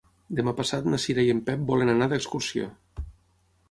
Demà passat na Cira i en Pep volen anar d'excursió.